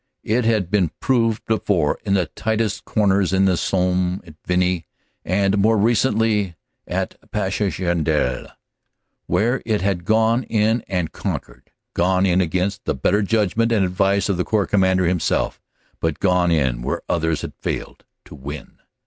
It had been proved before in the tightest corners in the Somme, at Vimy, and more recently at Passchendaele. where it had gone in and conquered; gone in against the better judg ment and advice of the Corps Commander himself but gone in where others had failed, to win.